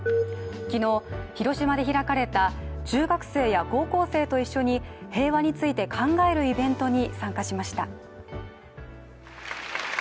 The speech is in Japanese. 昨日、広島で開かれた中学生や高校生と一緒に平和について考えるイベントに参加しました。